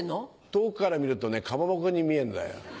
遠くから見るとねかまぼこに見えるんだよ。